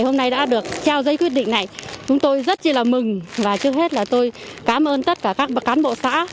hôm nay đã được trao giấy quyết định này chúng tôi rất là mừng và trước hết là tôi cảm ơn tất cả các cán bộ xã